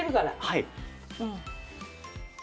はい。